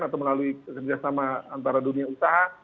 atau melalui kerjasama antara dunia usaha